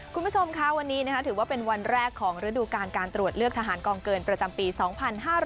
คุณผู้ชมค่ะวันนี้ถือว่าเป็นวันแรกของฤดูการการตรวจเลือกทหารกองเกินประจำปี๒๕๕๙